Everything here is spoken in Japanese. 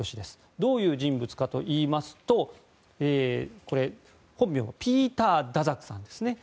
どういう人物かというと本名はピーター・ダザックさんですね。